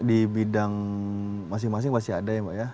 di bidang masing masing masih ada ya mbak ya